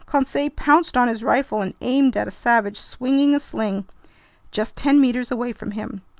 Conseil pounced on his rifle and aimed at a savage swinging a sling just ten meters away from him.